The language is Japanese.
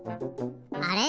あれ？